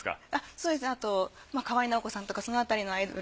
そうですあと河合奈保子さんとかその辺りのアイドル。